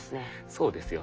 そうですよね。